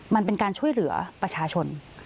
มันเป็นการช่วยเหลือประชาชน